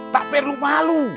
tak perlu malu